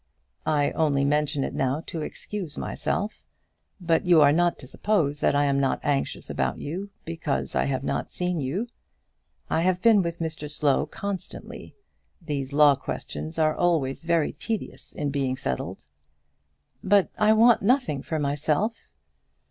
"I only mention it now to excuse myself. But you are not to suppose that I am not anxious about you, because I have not seen you. I have been with Mr Slow constantly. These law questions are always very tedious in being settled." "But I want nothing for myself."